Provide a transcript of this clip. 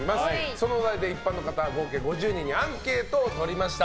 そのお題で一般の方合計５０人にアンケートをとりました。